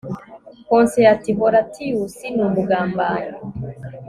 Konseye ati Horatius ni umugambanyi